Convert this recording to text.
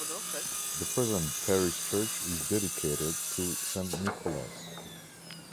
The present parish church is dedicated to Saint Nicholas.